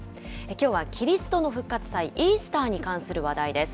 きょうはキリストの復活祭、イースターに関する話題です。